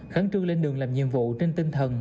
khẩn trương lên đường làm nhiệm vụ trên tinh thần